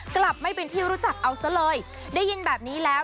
กลับไม่เป็นที่รู้จักเอาซะเลยได้ยินแบบนี้แล้ว